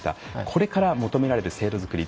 これから求められる制度作り